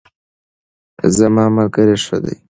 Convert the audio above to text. زما ملګرۍ ښه دی